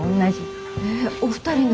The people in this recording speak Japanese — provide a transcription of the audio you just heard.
えっお二人の？